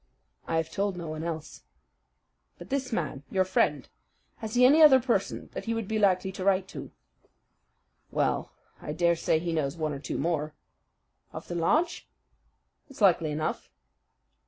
"I have told no one else." "But this man your friend has he any other person that he would be likely to write to?" "Well, I dare say he knows one or two more." "Of the lodge?" "It's likely enough."